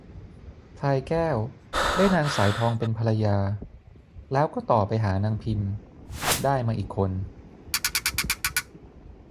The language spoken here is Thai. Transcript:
พลายแก้วได้นางสายทองเป็นภรรยา แล้วก็ต่อไปหานางพิม ได้มาอีกคน